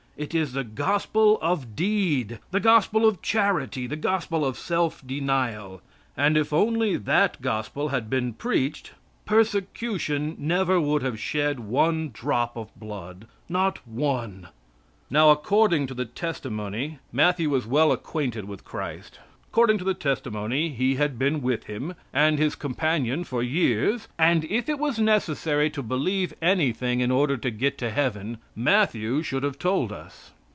It is the gospel of deed, the gospel of charity, the gospel of self denial; and if only that gospel had been preached, persecution never would have shed one drop of blood. Not one. Now, according to the testimony, Matthew was well acquainted with Christ. According to the testimony, he had been with Him, and His companion for years, and if it was necessary to believe anything in order to get to heaven, Matthew should have told us.